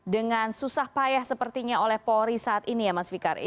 dengan susah payah sepertinya oleh polri saat ini ya mas fikar